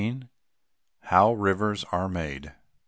HOW RIVERS ARE MADE.